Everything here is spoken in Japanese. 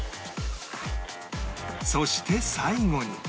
そして最後に